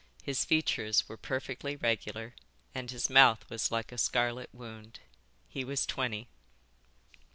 His features were perfectly regular and his mouth was like a scarlet wound. He was twenty."